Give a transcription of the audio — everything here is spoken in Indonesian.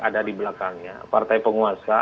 ada di belakangnya partai penguasa